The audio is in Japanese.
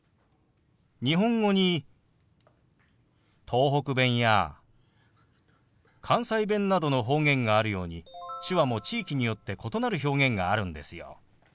日本語に東北弁や関西弁などの方言があるように手話も地域によって異なる表現があるんですよ。